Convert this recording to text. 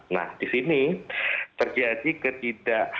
nah di sini terjadi ketidak